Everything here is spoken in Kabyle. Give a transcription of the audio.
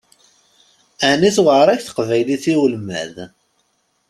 Ɛni tewεeṛ-ak teqbaylit i ulmad?